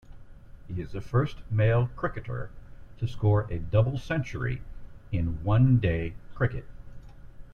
He is the first male cricketer to score a double-century in one-day cricket.